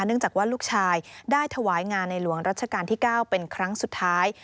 เนื่องจากว่าลูกชายได้ถวายงานในหลวงรัชกาลที่๙เป็นครั้งสุดท้าย